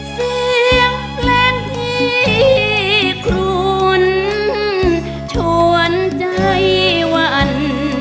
เสียงเพลงที่คลุนชวนใจวัน